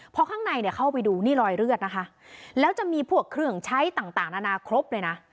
พอข้างในเนี่ยเข้าไปดูนี่รอยเลือดนะคะแล้วจะมีพวกเครื่องใช้ต่างนานาครบเลยนะ